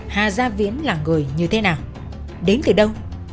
hà gia viễn là người như thế nào đến từ đâu